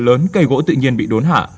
lớn cây gỗ tự nhiên bị đốn hạ